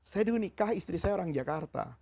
saya dulu nikah istri saya orang jakarta